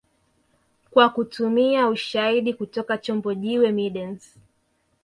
Kwa kutumia ushahidi kutoka chombo jiwe middens